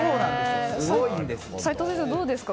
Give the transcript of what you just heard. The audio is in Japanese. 齋藤先生、どうですか？